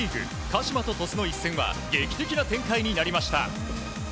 鹿島と鳥栖の一戦は劇的な展開になりました。